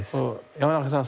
山中さん